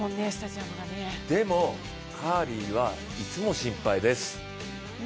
でも、カーリーはいつも心配です。